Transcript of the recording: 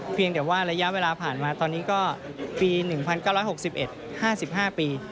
เพียงแต่ว่าระยะเวลาผ่านมาตอนนี้ก็ปี๑๙๖๑๕๕ปี